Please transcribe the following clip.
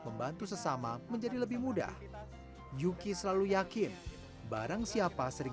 membantu sesama menjadi lebih mudah yuki selalu yakin barang siapa sering